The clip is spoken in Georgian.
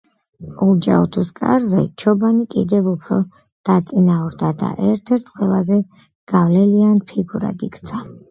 ოლჯაითუს კარზე ჩობანი კიდევ უფრო დაწინაურდა და ერთ-ერთ ყველაზე გავლენიან ფიგურად იქცა.